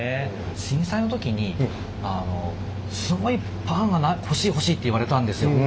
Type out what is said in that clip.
震災の時にすごいパンが欲しい欲しいって言われたんですよ。